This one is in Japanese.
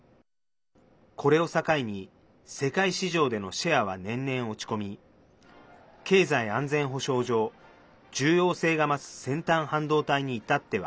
これを境に世界市場でのシェアは年々落ち込み経済安全保障上、重要性が増す先端半導体に至っては。